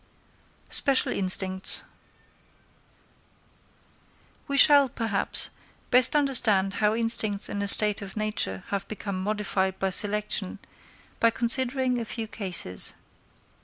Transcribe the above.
Special Instincts. We shall, perhaps, best understand how instincts in a state of nature have become modified by selection by considering a few cases.